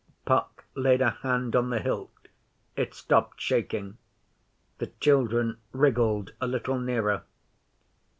Puck laid a hand on the hilt. It stopped shaking. The children wriggled a little nearer.